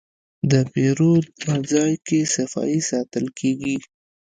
د پیرود ځای کې صفایي ساتل کېږي.